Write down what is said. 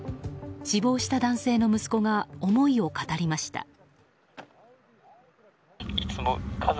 死亡した男性の息子が思いを語りました。